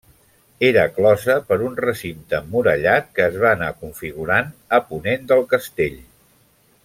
Era closa per un recinte emmurallat que es va anar configurant a ponent del castell.